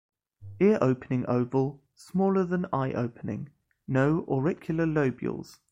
Ear-opening oval, smaller than eye-opening; no auricular lobules.